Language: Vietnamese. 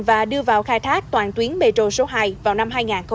và đưa vào khai thác toàn tuyến metro số hai vào năm hai nghìn hai mươi